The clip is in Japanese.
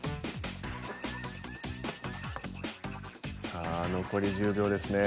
さあ残り１０秒ですね。